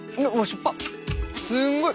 すんごい！